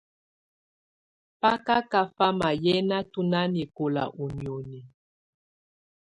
Bá ká kafamà yɛnatɔ̀ nanɛkɔ̀la ù nioni.